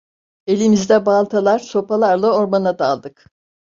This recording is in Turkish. Elimizde baltalar, sopalarla ormana daldık.